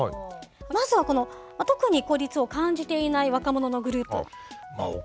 まずはこの特に孤立を感じていない若者のグループ。